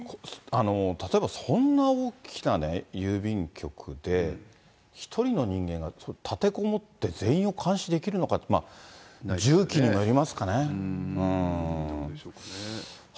例えばそんな大きなね、郵便局で、１人の人間が立てこもって全員を監視できるのかって、銃器にもよどうでしょうかね。